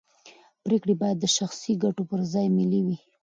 پرېکړې باید د شخصي ګټو پر ځای ملي وي